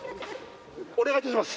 お願いいたします